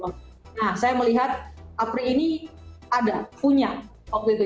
nah saya melihat apri ini ada punya waktu itu